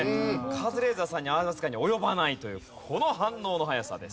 カズレーザーさんにわずかに及ばないというこの反応の早さです。